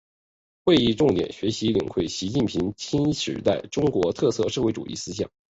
会议重点学习领会习近平新时代中国特色社会主义思想